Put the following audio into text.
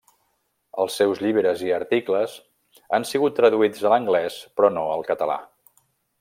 Els seus llibres i articles han sigut traduïts a l'anglès però no al català.